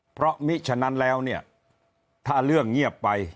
เพราะมิฉะนั้นแล้วเนี่ยถ้าเรื่องเงียบไป